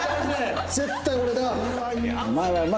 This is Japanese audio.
絶対俺だ！